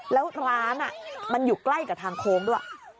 แล้วร้านมันอยู่ใกล้กับทางโค้งด้วย